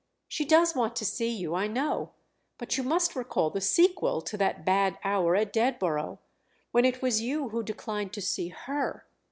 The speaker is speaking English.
"She does want to see you, I know; but you must recall the sequel to that bad hour at Dedborough—when it was you who declined to see her."